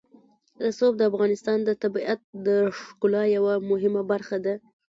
رسوب د افغانستان د طبیعت د ښکلا یوه مهمه برخه ده.